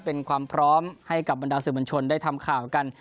เป็นความพร้อมให้กับบรรดาสื่อบัญชนได้ทำข่าวกัน